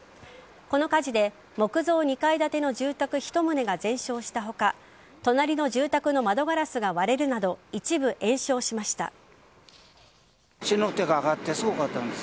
この火事で木造２階建ての住宅１棟が全焼した他隣の住宅の窓ガラスが割れるなど一部、延焼しました。